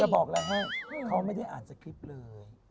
บอกแล้วให้เขาไม่ได้อ่านสคริปต์เลย